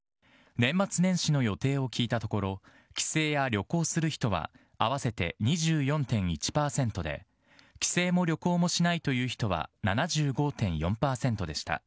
年末年始の予定を聞いたところ帰省や旅行をする人は合わせて２４．１％で帰省も旅行もしないという人は７５．４％でした。